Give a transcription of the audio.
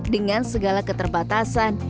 dengan segala keterbatasan